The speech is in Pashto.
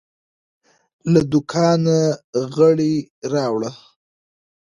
له دوکانه غیړي راوړه